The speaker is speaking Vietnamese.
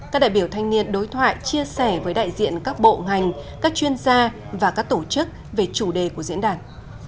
các đại biểu thanh niên đối thoại chia sẻ với đại diện các bộ ngành các chuyên gia và các tổ chức về chủ đề của diễn đàn